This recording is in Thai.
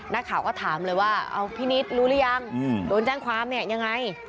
นักข่าวก็ถามเลยว่าเอาพี่นิดรู้หรือยังโดนแจ้งความเนี่ยยังไง